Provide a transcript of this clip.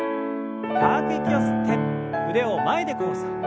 深く息を吸って腕を前で交差。